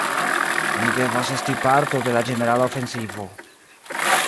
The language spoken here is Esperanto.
Ni devas esti parto de la ĝenerala ofensivo.